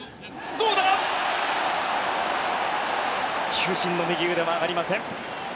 球審の右腕は上がりません。